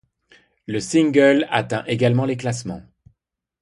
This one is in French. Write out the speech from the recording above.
Le single ', atteint également les classements.